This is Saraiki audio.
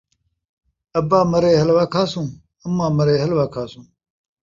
ابا مرے حلوہ کھاسوں اماں مرے حلوہ کھاسوں